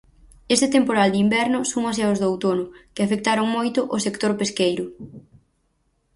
Este temporal de inverno súmase aos do outono, que afectaron moito o sector pesqueiro.